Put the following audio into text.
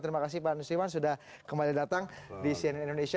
terima kasih pak nusirwan sudah kembali datang di cnn indonesia